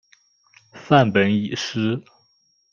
梵本已失。